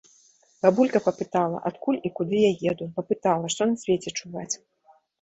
Бабулька папытала, адкуль і куды я еду, папытала, што на свеце чуваць.